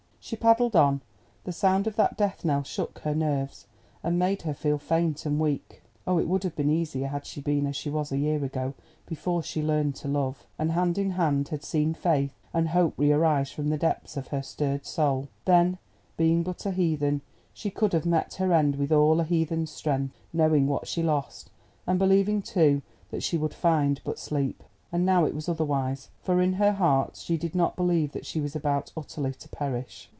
She paddled on; the sound of that death knell shook her nerves, and made her feel faint and weak. Oh, it would have been easier had she been as she was a year ago, before she learned to love, and hand in hand had seen faith and hope re arise from the depths of her stirred soul. Then being but a heathen, she could have met her end with all a heathen's strength, knowing what she lost, and believing, too, that she would find but sleep. And now it was otherwise, for in her heart she did not believe that she was about utterly to perish.